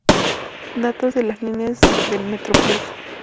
Datos de las líneas del Metroplús.